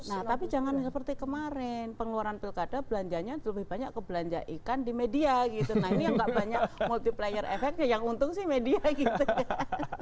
nah tapi jangan seperti kemarin pengeluaran pilkada belanjanya lebih banyak ke belanja ikan di media gitu nah ini yang nggak banyak multiplayer efeknya yang untung sih media gitu